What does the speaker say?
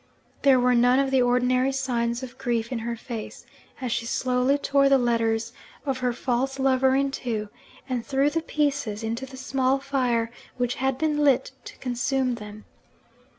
There were none of the ordinary signs of grief in her face, as she slowly tore the letters of her false lover in two, and threw the pieces into the small fire which had been lit to consume them.